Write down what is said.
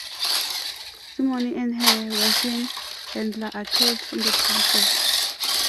Simone and her Russian handler are killed in the process.